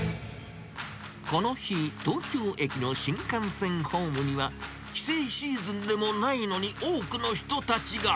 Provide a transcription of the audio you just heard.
この日、東京駅の新幹線ホームには帰省シーズンでもないのに多くの人たちが。